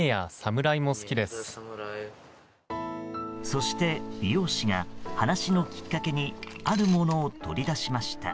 そして美容師が話のきっかけにあるものを取り出しました。